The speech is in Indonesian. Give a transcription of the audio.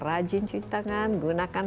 rajin cuci tangan gunakan